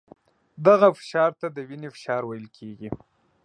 دغه فشار ته د وینې فشار ویل کېږي.